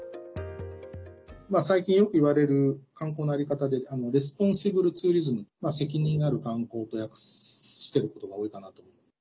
最近、よくいわれる観光のあり方でレスポンシブル・ツーリズム責任ある観光と訳していることが多いかなと。